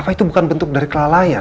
apa itu bukan bentuk dari kelalaian